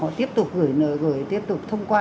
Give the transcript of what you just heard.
họ tiếp tục gửi lời gửi tiếp tục thông qua